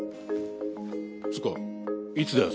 つーかいつだよ？